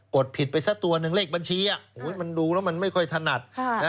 ดผิดไปสักตัวหนึ่งเลขบัญชีมันดูแล้วมันไม่ค่อยถนัด